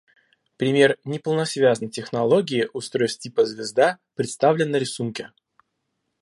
Пример неполносвязной топологии устройств типа «звезда» представлен на рисунке.